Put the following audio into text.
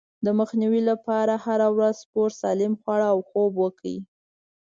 د مخنيوي لپاره هره ورځ سپورت، سالم خواړه او خوب وکړئ.